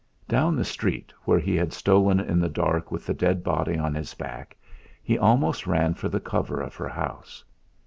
Down the street where he had stolen in the dark with the dead body on his back, he almost ran for the cover of her house.